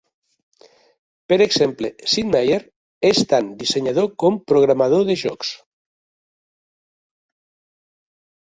Per exemple, Sid Meier és tant dissenyador com programador de jocs.